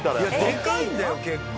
でかいんだよ結構。